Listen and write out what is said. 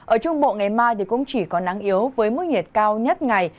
ở trung bộ ngày mai thì cũng chỉ có nắng yếu với mức nhiệt cao nhất ngày